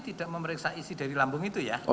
tidak memeriksa isi dari lambung itu ya